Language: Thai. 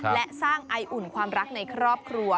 และสร้างไออุ่นความรักในครอบครัว